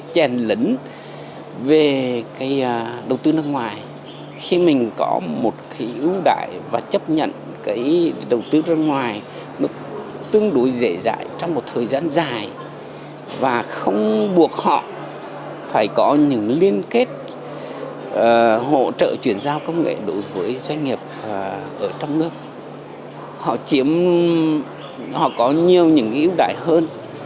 giáo công nghệ đối với doanh nghiệp ở trong nước họ có nhiều những ưu đại hơn